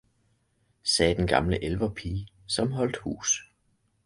sagde den gamle elverpige, som holdt hus.